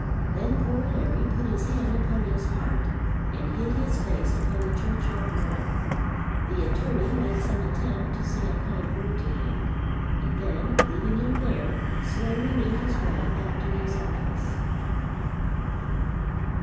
Then poor Larry put his hand upon his heart and hid his face upon the churchyard wall. The attorney made some attempt to say a kind word to him, and then, leaving him there, slowly made his way back to his office.